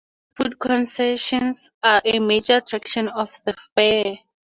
Food concessions are a major attraction of the fair.